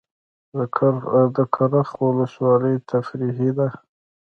د کرخ ولسوالۍ تفریحي ده